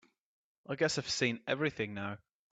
I guess I've seen everything now.